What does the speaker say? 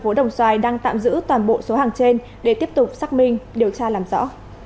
xoài đang tạm giữ toàn bộ số hàng trên để tiếp tục xác minh điều tra làm rõ